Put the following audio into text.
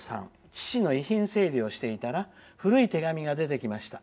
「父の遺品整理をしていたら古い手紙が出てきました。